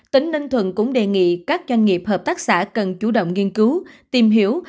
tỉnh ninh thuận cũng đề nghị các doanh nghiệp hợp tác xã cần chủ động nghiên cứu tìm hiểu